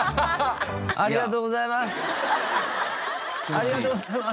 ありがとうございます！